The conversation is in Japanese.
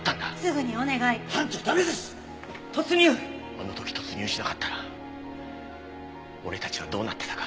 あの時突入しなかったら俺たちはどうなってたか。